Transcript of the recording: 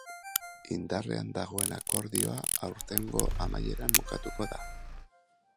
Indarrean dagoen akordioa aurtengo amaieran bukatuko da.